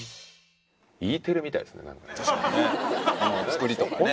Ｅテレみたいですねなんかね